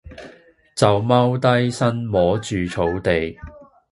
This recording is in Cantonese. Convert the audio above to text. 就踎低身摸住草地